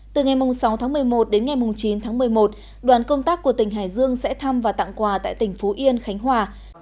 từ ngày sáu tháng một mươi một đến ngày chín tháng một mươi một đoàn công tác của tỉnh hải dương sẽ thăm và tặng quà tại tỉnh phú yên khánh hòa